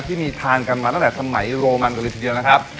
ที่มีทานกันมาตั้งแต่สมัยโรมันกันเลยทีเดียวนะครับ